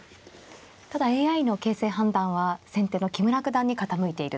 ただＡＩの形勢判断は先手の木村九段に傾いているという状況ですね。